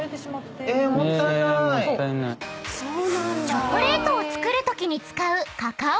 ［チョコレートを作るときに使う］